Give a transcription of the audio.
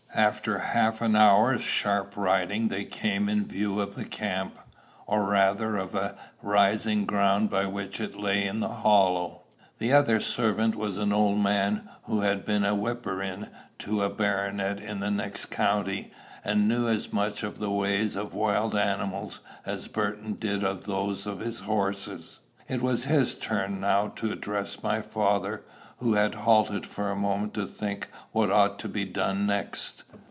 After half an hour's sharp riding, they came in view of the camp, or rather of a rising ground behind which it lay in the hollow. The other servant was an old man, who had been whipper in to a baronet in the next county, and knew as much of the ways of wild animals as Burton did of those of his horses; it was his turn now to address my father, who had halted for a moment to think what ought to be done next.